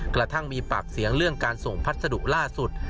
กระทั่งมีปากเสียงเรื่องการส่งพัสดุล่าสุด